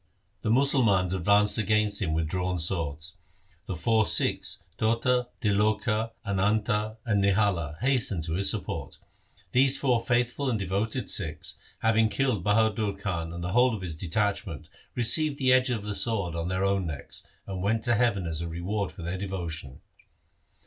The Musalmans advanced against him with drawn swords. The four Sikhs Tota, Tiloka, Ananta, and Nihala hastened to his support. These four faith ful and devoted Sikhs, having killed Bahadur Khan and the whole of his detachment, received the edge of the sword on their own necks, and went to heaven as a reward for their devotion.